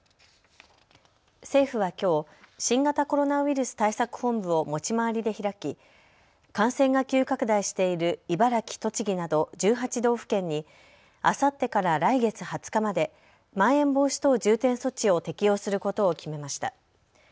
政府はきょう、新型コロナウイルス対策本部を持ち回りで開き感染が急拡大している茨城、栃木など１８道府県にあさってから来月２０日までまん延防止等重点措置を適用することを決めました。